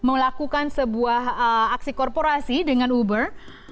melakukan sebuah aksi korporasi dengan uber